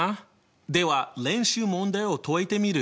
では練習問題を解いてみる？